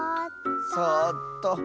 ⁉そっと。